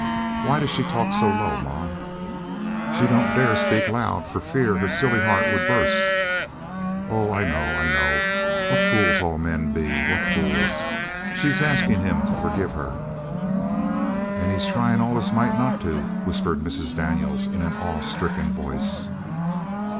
Why does she talk so low, ma?" "She don't dare speak loud for fear her silly heart would bust. Oh, I know, I know! What fools all men be! What fools! She's askin' him to forgive her." "An' he's tryin' all his might not to," whispered Mrs. Daniels in an awe stricken voice.